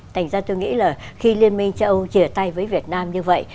thành ra tôi nghĩ là khi liên minh châu âu chia tay với việt nam như vậy